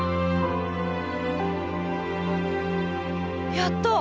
やった！